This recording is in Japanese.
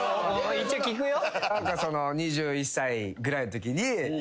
一応聞くよ。